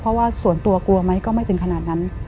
เพราะว่าส่วนตัวกลัวไหมก็ไม่ถึงขนาดนั้น